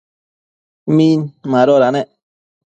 Min madoda nec ?